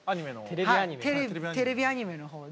テレビアニメの方で。